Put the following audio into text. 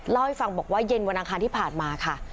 เล่าให้ฟังบอกว่าเย็นวันอังคารที่ผ่านมาค่ะ